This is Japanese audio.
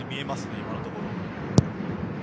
今のところ。